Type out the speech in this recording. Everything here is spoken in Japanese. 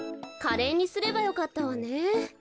カレーにすればよかったわね。